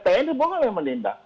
tni boleh menindak